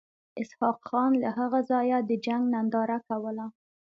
اسحق خان له هغه ځایه د جنګ ننداره کوله.